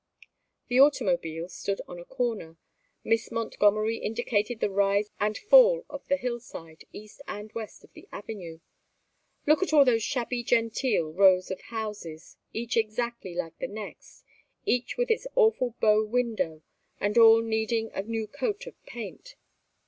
The automobile stood on a corner. Miss Montgomery indicated the rise and fall of the hill side, east and west of the avenue. "Look at all those shabby genteel rows of houses, each exactly like the next, each with its awful bow window, and all needing a new coat of paint.